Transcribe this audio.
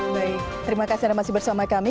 baik terima kasih anda masih bersama kami